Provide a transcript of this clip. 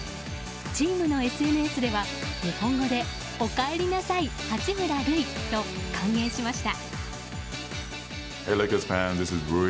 チームのＳＮＳでは日本語で「おかえりなさい八村塁」と歓迎しました。